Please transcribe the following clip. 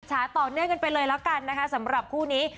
ช้าต่อเนื่องกันเลยละกันสำหรับคู่นี้